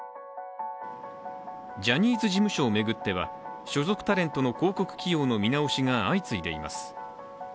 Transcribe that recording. ジャニーズ事務所を巡っては所属タレントの広告起用の見直しが相次いでいます。